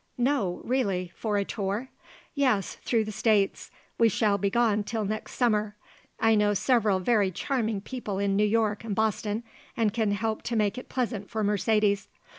"No; really; for a tour?" "Yes; through the States. We shall be gone till next summer. I know several very charming people in New York and Boston and can help to make it pleasant for Mercedes.